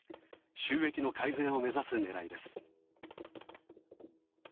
収益の改善を目指す狙いです。